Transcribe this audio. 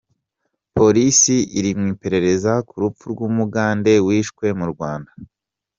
Polisi iri mu iperereza ku rupfu rw’Umugande wiciwe mu Rwanda